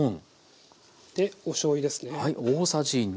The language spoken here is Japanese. おしょうゆですね。